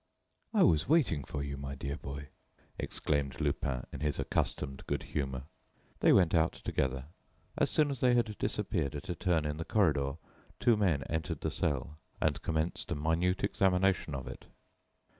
"I was waiting for you, my dear boy," exclaimed Lupin, in his accustomed good humor. They went out together. As soon as they had disappeared at a turn in the corridor, two men entered the cell and commenced a minute examination of it.